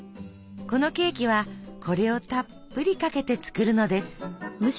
このケーキはこれをたっぷりかけて作るのです。